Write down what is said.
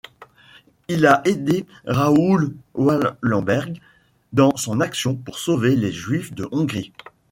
Il a aidé Raoul Wallenberg dans son action pour sauver les Juifs de Hongrie.